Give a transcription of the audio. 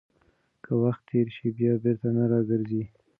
که وخت تېر شي، بیا بیرته نه راګرځي.